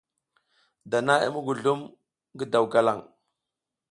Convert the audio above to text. Dana i muguzlum ngi daw galang.